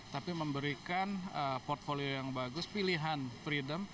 tapi memberikan portfolio yang bagus pilihan freedom